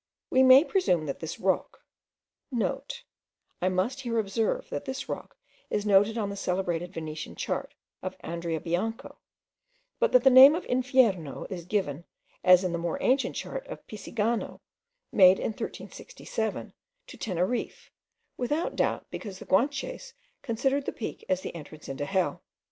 We may presume that this rock,* (* I must here observe, that this rock is noted on the celebrated Venetian chart of Andrea Bianco, but that the name of Infierno is given, as in the more ancient chart of Picigano, made in 1367, to Teneriffe, without doubt because the Guanches considered the peak as the entrance into hell.